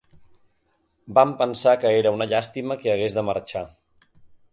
Vam pensar que era una llàstima que hagués de marxar.